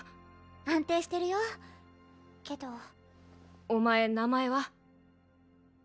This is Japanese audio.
安定してるよけどお前名前は？